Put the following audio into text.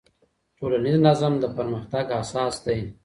ټولنيز نظم د پرمختګ اساس دی.